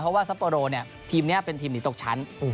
เพราะว่าซัปโปโรเนี่ยทีมเนี่ยเป็นทีมหลีดตกชั้น